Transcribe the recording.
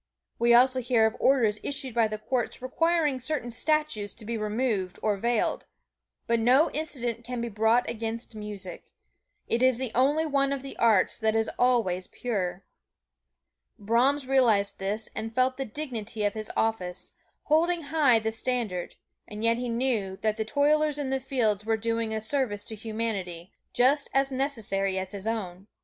We also hear of orders issued by the courts requiring certain statues to be removed or veiled, but no indictment can be brought against music. It is the only one of the arts that is always pure. Brahms realized this and felt the dignity of his office, holding high the standard; and yet he knew that the toilers in the fields were doing a service to humanity, just as necessary as his own.